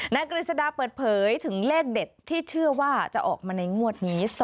กฤษฎาเปิดเผยถึงเลขเด็ดที่เชื่อว่าจะออกมาในงวดนี้